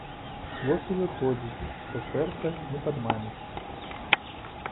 Вось і выходзіць, што сэрца не падманеш.